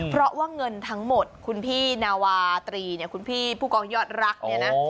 เพราะว่าเงินทั้งหมดคุณพี่นาวาตรีเนี่ยคุณพี่ผู้กองยอดรักเนี่ยนะ